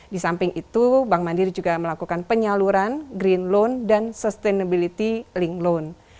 di samping itu bank mandiri juga melakukan penyaluran green loan dan sustainability link loan